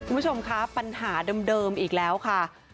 คุณผู้ชมคะปัญหาเดิมอีกแล้วค่ะ